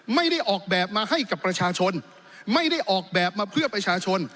ไม่ได้ออกแบบมาให้กับประชาชนไม่ได้ออกแบบมาเพื่อประชาชน